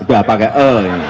udah pakai e